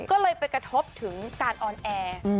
ก็เลยไปกระทบถึงการออนแอร์